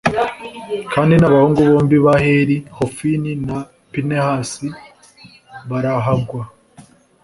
kandi n'abahungu bombi ba heli, hofini na pinehasi, barahagwa